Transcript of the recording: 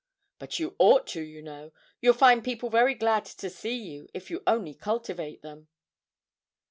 'But you ought to, you know: you'll find people very glad to see you if you only cultivate them.'